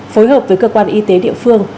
phối hợp với cơ quan y tế địa phương